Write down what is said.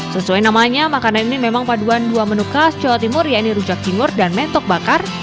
sesuai namanya makanan ini memang paduan dua menu khas jawa timur yaitu rujak cingur dan mentok bakar